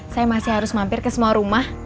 saya masih harus mampir ke semua rumah